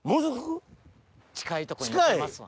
近いとこに行きますわ。